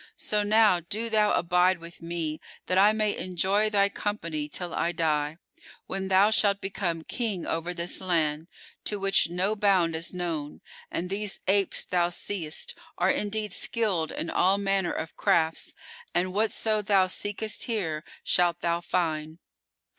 So now do thou abide with me, that I may enjoy thy company till I die, when thou shalt become King over this island, to which no bound is known, and these apes thou seest are indeed skilled in all manner of crafts; and whatso thou seekest here shalt thou find."